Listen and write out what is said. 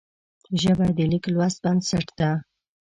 ژبه د لیک لوست بنسټ ده